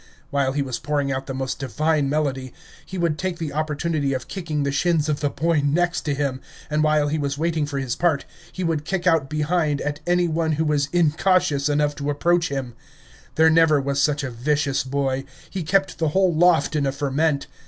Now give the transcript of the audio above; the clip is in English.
While he was pouring out the most divine melody, he would take the opportunity of kicking the shins of the boy next to him, and while he was waiting for his part, he would kick out behind at any one who was incautious enough to approach him. There never was such a vicious boy; he kept the whole loft in a ferment.